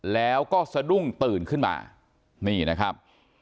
แล้วก็สะดุ้งตื่นขึ้นมานี่นะครับ